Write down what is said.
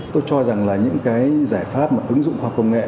tôi cho rằng là những cái giải pháp mà ứng dụng khoa học công nghệ